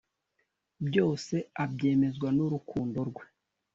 Byose abyemezwa nuru rukundo rwe